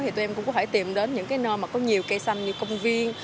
thì tụi em cũng có thể tìm đến những cái nơi mà có nhiều cây xanh như công viên